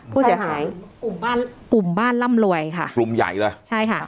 ผู้เสียหายกลุ่มบ้านกลุ่มบ้านร่ำรวยค่ะกลุ่มใหญ่เลยใช่ค่ะ